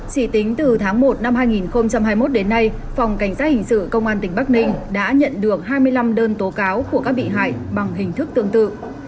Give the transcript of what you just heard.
chỉ tính từ tháng một năm hai nghìn hai mươi một đến nay phòng cảnh sát hình sự công an tỉnh bắc ninh đã nhận được hai mươi năm đơn tố cáo của các bị hại bằng hình thức tương tự